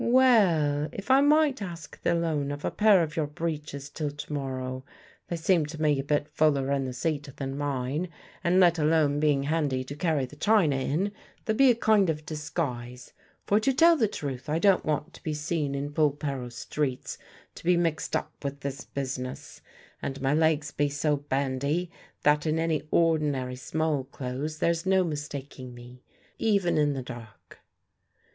"Well, if I might ask the loan of a pair of your breeches till to morrow. They seem to me a bit fuller in the seat than mine, and let alone being handy to carry the china in, they'll be a kind of disguise. For, to tell the truth, I don't want to be seen in Polperro streets to be mixed up with this business, and my legs be so bandy that in any ordinary small clothes there's no mistaking me, even in the dark."